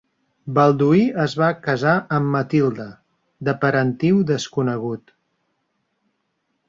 Balduí es va casar amb Matilde, de parentiu desconegut.